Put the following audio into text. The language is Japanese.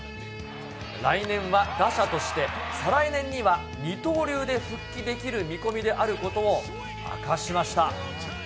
来年は打者として、再来年には二刀流で復帰できる見込みであることを明かしました。